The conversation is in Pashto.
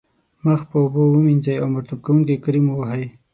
مخ په اوبو ومینځئ او مرطوب کوونکی کریم و وهئ.